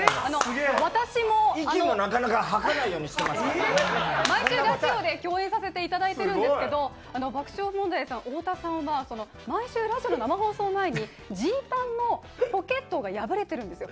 私も毎週月曜、共演させていただいているんですすど、爆笑問題さん、太田さんは毎週ラジオの生放送前にジーパンのポケットが破れてるんですよ。